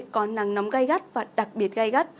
có nắng nóng gai gắt và đặc biệt gai gắt